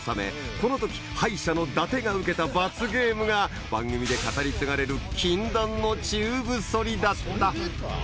この時敗者の伊達が受けた罰ゲームが番組で語り継がれる禁断のチューブソリだった